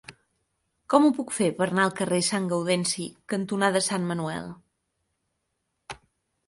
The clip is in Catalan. Com ho puc fer per anar al carrer Sant Gaudenci cantonada Sant Manuel?